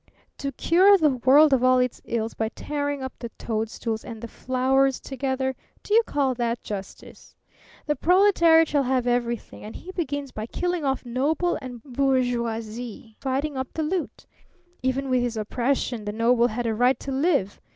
"To cure the world of all its ills by tearing up the toadstools and the flowers together do you call that justice? The proletariat shall have everything, and he begins by killing off noble and bourgeoisie and dividing up the loot! Even with his oppression the noble had a right to live.